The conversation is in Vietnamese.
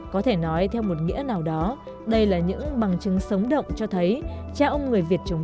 có thể mua lại và sở hữu được chúng